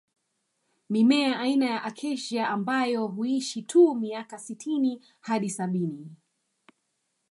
Mimea aina ya Acacia ambayo huishi tu miaka sitini hadi sabini